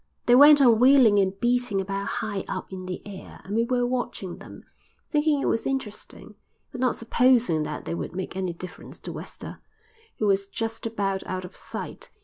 They went on wheeling and beating about high up in the air, and we were watching them, thinking it was interesting, but not supposing that they would make any difference to 'Wester,' who was just about out of sight.